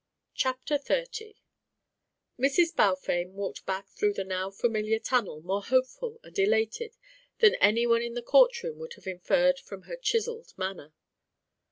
CHAPTER XXX Mrs. Balfame walked back through the now familiar tunnel more hopeful and elated than any one in the courtroom would have inferred from her chiselled manner.